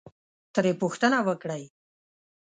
ترې پوښتنه وکړئ،